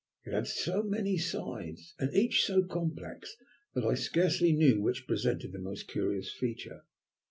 It had so many sides, and each so complex, that I scarcely knew which presented the most curious feature.